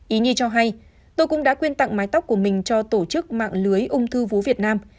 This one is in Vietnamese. ý như cho hay tôi cũng đã quyên tặng mái tóc của mình cho tổ chức mạng lưới ung thư vú việt nam